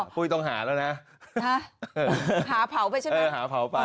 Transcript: อ๋อพูดตรงหาแล้วนะฮะหาเผาไปใช่มั้ยเออหาเผาไป